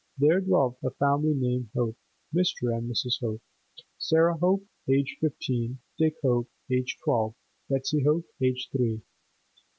There dwelt a family named Hope—Mr. and Mrs. Hope, Sarah Hope, aged fifteen, Dick Hope, aged twelve, Betsy Hope, aged three.